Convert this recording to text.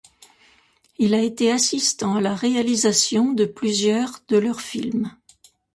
Il a été assistant à la réalisation de plusieurs de leurs films.